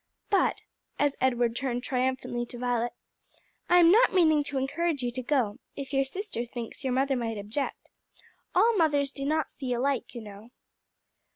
But," as Edward turned triumphantly to Violet, "I am not meaning to encourage you to go, if your sister thinks your mother might object: all mothers do not see alike, you know."